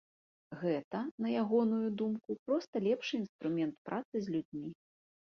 Гэта, на ягоную думку, проста лепшы інструмент працы з людзьмі.